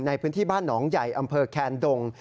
ในพื้นที่บ้านหนองใหญ่อำเภอแคนดง